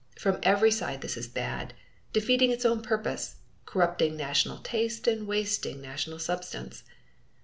From every side this is bad defeating its own purpose corrupting national taste and wasting national substance.